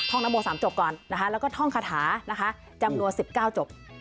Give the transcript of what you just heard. ท่องนับโมสามจบก่อนนะคะแล้วก็ท่องคาถานะคะจำนวนสิบเก้าจบ